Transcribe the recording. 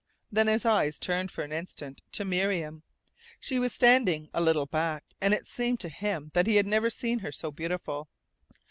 Then his eyes turned for an instant to Miriam. She was standing a little back, and it seemed to him that he had never seen her so beautiful.